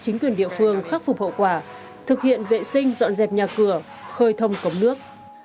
chính quyền địa phương khắc phục hậu quả thực hiện vệ sinh dọn dẹp nhà cửa khơi thông cống nước